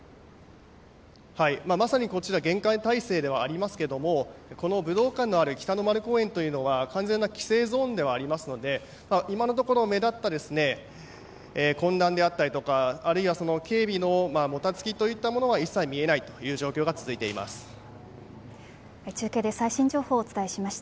まさにこちら厳戒態勢ではありますけれどもこの武道館のある北の丸公園は完全な規制ゾーンでありますので今のところ目立った混乱であったりとかあるいは警備のもたつきといったものは一切見えないという状況が続いています。